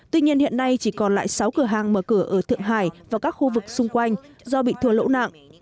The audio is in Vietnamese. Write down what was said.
tuy nhiên hiện nay chỉ còn lại sáu cửa hàng mở cửa ở thượng hải và các khu vực xung quanh do bị thua lỗ nặng